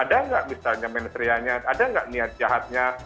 ada nggak misalnya mensrianya ada nggak niat jahatnya